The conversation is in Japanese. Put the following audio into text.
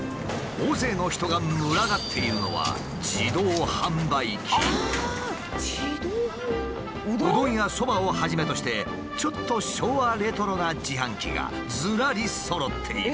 大勢の人が群がっているのはうどんやそばをはじめとしてちょっと昭和レトロな自販機がずらりそろっている。